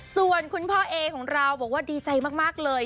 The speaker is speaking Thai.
ส่วนคุณพ่อเอของเราบอกว่าดีใจมากเลย